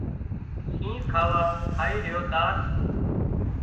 شينهن کاوا کائي ريو تار